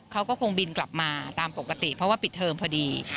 เขาก็คงบินกลับมาตามปกติเพราะว่าปิดเทอมพอดี